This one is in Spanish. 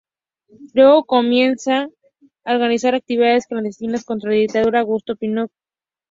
Luego, comienzan a organizar actividades clandestinas contra la dictadura de Augusto Pinochet.